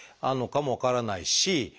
あるのかも分からないし。